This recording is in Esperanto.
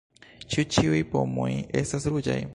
Ĉu ĉiuj pomoj estas ruĝaj?